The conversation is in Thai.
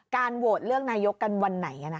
โหวตเลือกนายกกันวันไหน